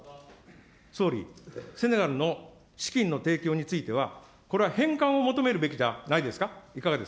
総理、セネガルの資金の提供については、これは返還を求めるべきではないですか。